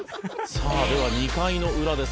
「さあでは２回のウラです」